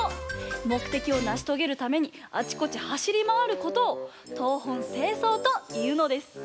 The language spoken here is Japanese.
もくてきをなしとげるためにあちこち走りまわることを東奔西走というのです。